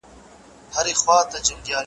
دا په وينو کي غوريږي ,